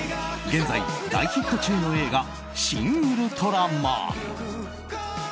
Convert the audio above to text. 現在、大ヒット中の映画「シン・ウルトラマン」。